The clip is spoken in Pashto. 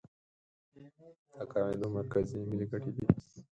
د قاعدو مرکز یې ملي ګټې دي.